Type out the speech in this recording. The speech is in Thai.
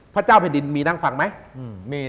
พระเจ้าแผ่นดินมีนั่งฟังไหม